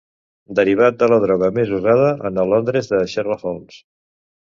Derivat de la droga més usada en el Londres de Sherlock Holmes.